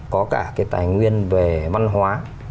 có cả cái tài nguyên về văn hóa